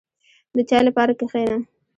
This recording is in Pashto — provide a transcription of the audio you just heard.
• د چای لپاره کښېنه.